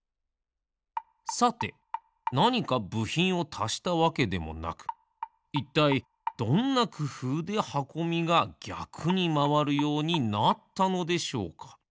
さてなにかぶひんをたしたわけでもなくいったいどんなくふうではこみがぎゃくにまわるようになったのでしょうか？